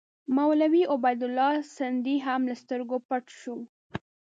مولوي عبیدالله سندي هم له سترګو پټ شو.